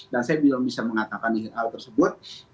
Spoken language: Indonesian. dan saya belum bisa mengatakan hal tersebut